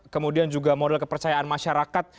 kemudian juga model kepercayaan masyarakat